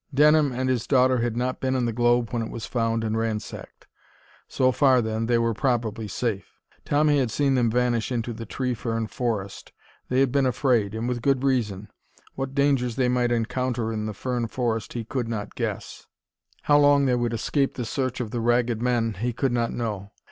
Denham and his daughter had not been in the globe when it was found and ransacked. So far, then, they were probably safe. Tommy had seen them vanish into the tree fern forest. They had been afraid, and with good reason. What dangers they might encounter in the fern forest he could not guess. How long they would escape the search of the Ragged Men, he could not know.